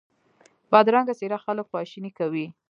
بدرنګه څېره خلک خواشیني کوي